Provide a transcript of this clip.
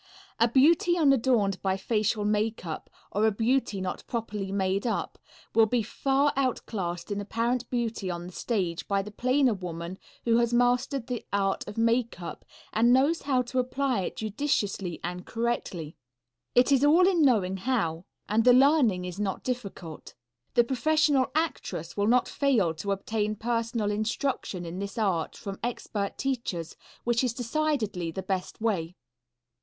A beauty unadorned by facial makeup, or a beauty not properly made up, will be far outclassed in apparent beauty on the stage by the plainer woman who has mastered the art of makeup and knows how to apply it judiciously and correctly. It is all in knowing how, and the learning is not difficult. The professional actress will not fail to obtain personal instruction in this art from expert teachers, which is decidedly the best way.